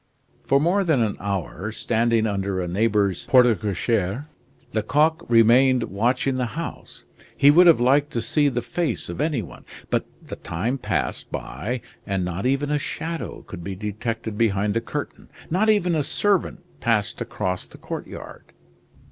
For more than an hour, standing under a neighbor's porte cochere, Lecoq remained watching the house. He would have liked to see the face of any one; but the time passed by and not even a shadow could be detected behind the curtain; not even a servant passed across the courtyard.